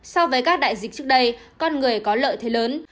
so với các đại dịch trước đây con người có lợi thế lớn